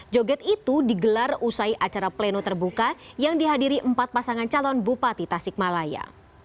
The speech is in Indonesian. joget itu digelar usai acara pleno terbuka yang dihadiri empat pasangan calon bupati tasikmalaya